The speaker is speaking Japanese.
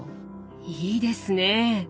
いいですね！